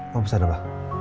mau pesan apa